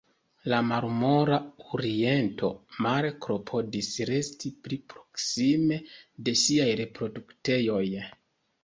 La Marmora urieto, male klopodas resti pli proksime de siaj reproduktejoj.